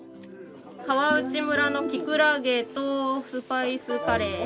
川内村のきくらげとスパイスカレー。